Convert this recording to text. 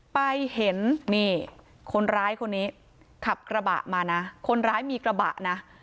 ไปเห็นนี่คนร้ายคนนี้ขับกระบะมานะคนร้ายมีกระบะนะ